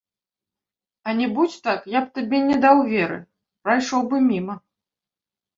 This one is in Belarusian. А не будзь так, я б табе не даў веры, прайшоў бы міма.